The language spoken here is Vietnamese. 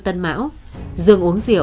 bất cứ tội lỗi gì